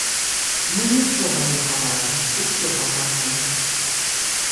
Мы нічога не хаваем, усё паказваем.